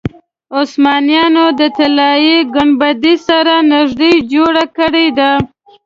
عثمانیانو د طلایي ګنبدې سره نږدې جوړه کړې ده.